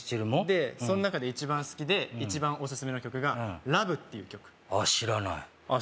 でそん中で一番好きで一番オススメの曲が「ＬＯＶＥ」っていう曲あ知らないあ